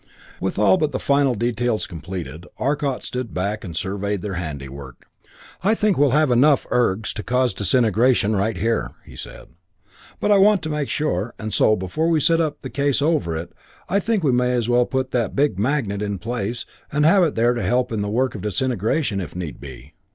With all but the final details completed, Arcot stood back and surveyed their handiwork. "I think we'll have enough urge to cause disintegration right here," he said, "but I want to make sure, and so, before we set up the case over it, I think we may as well put that big magnet in place, and have it there to help in the work of disintegration, if need be."